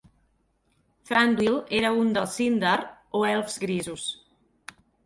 Thranduil era un dels Sindar, o elfs grisos.